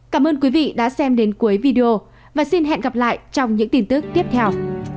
cảm ơn quý vị đã xem đến cuối video và xin hẹn gặp lại trong những tin tức tiếp theo